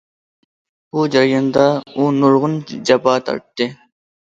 بۇ جەرياندا ئۇ نۇرغۇن جاپا تارتتى.